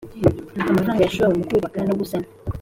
amafaranga yashowe mu kubaka no gusana